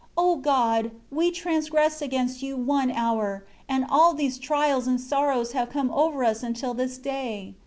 O God, we transgressed against You one hour, and all these trials and sorrows have come over us until this day.